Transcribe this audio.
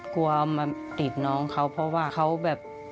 กลัวเอามาติดน้องเขาเพราะว่าเขาแบบ